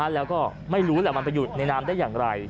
แล้วก็ไม่รู้แหละมันไปอยู่ในน้ำได้อย่างไร